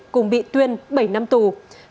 cùng bị tuyên bảy năm tuổi